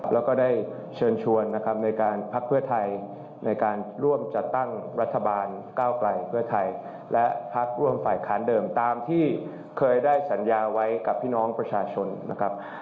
แล้วก็ได้เชิญชวนนะครับในการพักเพื่อไทยในการร่วมจัดตั้งรัฐบาลก้าวไกลเพื่อไทยและพักร่วมฝ่ายค้านเดิมตามที่เคยได้สัญญาไว้กับพี่น้องประชาชนนะครับ